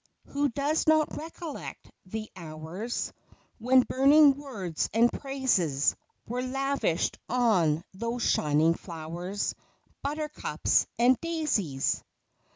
Who does not recollect the hours When burning words and praises Were lavished on those shining flowers, " Buttercups and Daisies